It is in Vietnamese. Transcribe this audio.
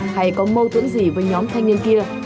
hay có mâu thuẫn gì với nhóm thanh niên kia